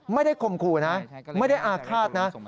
ไม่ได้คมคู่นะไม่ได้อาฆาตนะ